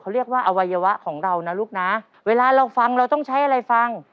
เขาเรียกว่าอวัยวะของเรานะลูกนะเวลาเราฟังเราต้องใช้อะไรฟัง